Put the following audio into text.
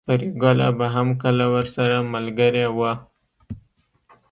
پريګله به هم کله ورسره ملګرې وه